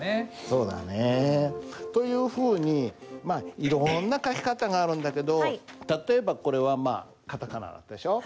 そうだねえ。というふうにまあいろんな書き方があるんだけど例えばこれはまあカタカナでしょう。